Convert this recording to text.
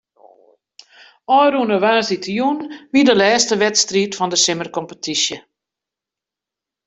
Ofrûne woansdeitejûn wie de lêste wedstriid fan de simmerkompetysje.